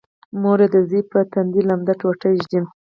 مور یې د زوی په تندي لمده ټوټه ږدي